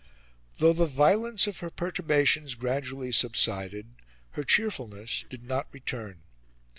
Though the violence of her perturbations gradually subsided, her cheerfulness did not return.